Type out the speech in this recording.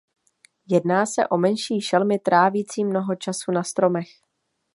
Jedná se o menší šelmy trávicí mnoho času na stromech.